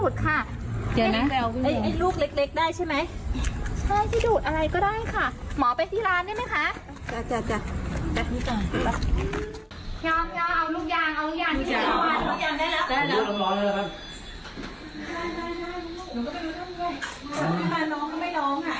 ได้